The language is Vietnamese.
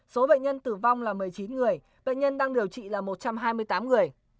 số bệnh nhân tử vong là một mươi chín người bệnh nhân đang điều trị là một trăm hai mươi tám người